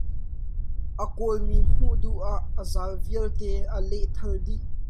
A kawl mi hmuh duh ah a zal vialte a lehthal dih.